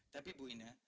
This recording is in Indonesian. tapi bu ine